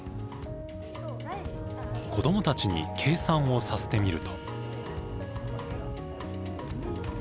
子どもたちに計算をさせてみると。